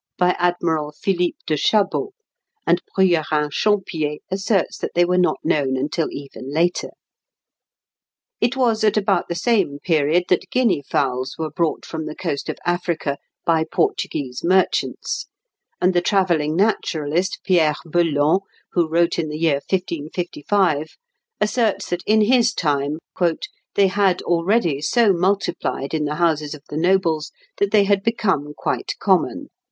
by Admiral Philippe de Chabot, and Bruyérin Champier asserts that they were not known until even later. It was at about the same period that guinea fowls were brought from the coast of Africa by Portuguese merchants; and the travelling naturalist, Pierre Belon, who wrote in the year 1555, asserts that in his time "they had already so multiplied in the houses of the nobles that they had become quite common."